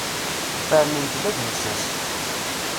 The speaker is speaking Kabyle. Fernen-t d agensas.